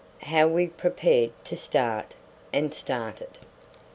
HOW WE PREPARED TO START, AND STARTED.